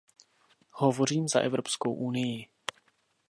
Hovořím za Evropskou unii.